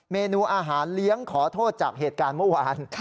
เมนูอาหารเลี้ยงขอโทษจากเหตุการณ์เมื่อวาน